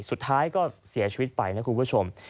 สุดท้ายก็เสียชีวิตไปนะคุณผู้ชม